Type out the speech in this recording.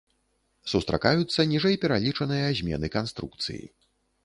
Сустракаюцца ніжэй пералічаныя змены канструкцыі.